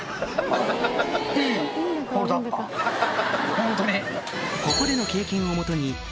ホントに。